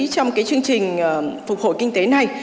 trong cái chương trình phục hồi kinh tế này